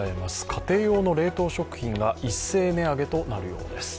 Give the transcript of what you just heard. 家庭用の冷凍食品が一斉値上げとなるようです。